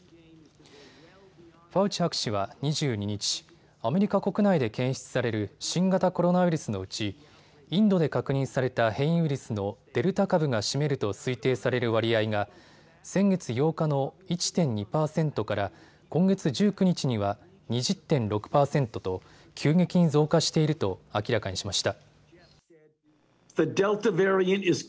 ファウチ博士は２２日、アメリカ国内で検出される新型コロナウイルスのうちインドで確認された変異ウイルスのデルタ株が占めると推定される割合が先月８日の１．２％から今月１９日には２０．６％と急激に増加していると明らかにしました。